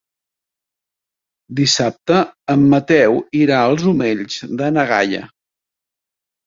Dissabte en Mateu irà als Omells de na Gaia.